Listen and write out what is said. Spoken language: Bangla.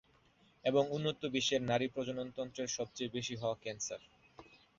এবং উন্নত বিশ্বের নারী প্রজনন তন্ত্রের সবচেয়ে বেশি হওয়া ক্যান্সার।